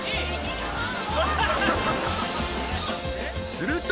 ［すると］